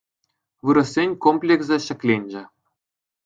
Вырӑссен комплексӗ ҫӗкленчӗ.